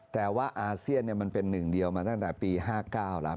แต่ว่าอาเซียนมันเป็นหนึ่งเดียวมาตั้งแต่ปี๕๙แล้ว